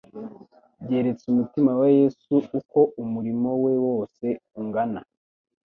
byeretse umutima wa Yesu uko umurimo we wose ungana.